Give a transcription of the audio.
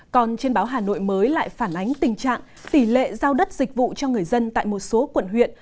còn trên báo hà nội mới lại phản ánh tình trạng tỷ lệ giao đất dịch vụ cho người dân tại một số quận huyện